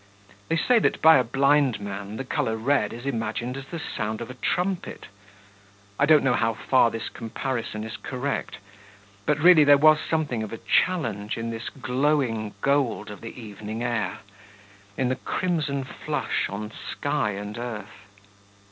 They say that by a blind man the colour red is imagined as the sound of a trumpet. I don't know how far this comparison is correct, but really there was something of a challenge in this glowing gold of the evening air, in the crimson flush on sky and earth.